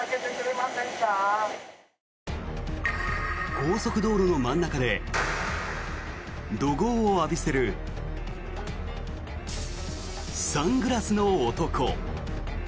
高速道路の真ん中で怒号を浴びせるサングラスの男。